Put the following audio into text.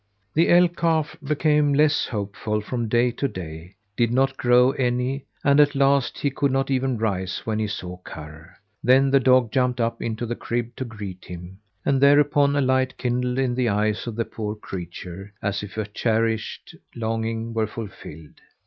The elk calf became less hopeful from day to day, did not grow any, and at last he could not even rise when he saw Karr. Then the dog jumped up into the crib to greet him, and thereupon a light kindled in the eyes of the poor creature as if a cherished longing were fulfilled.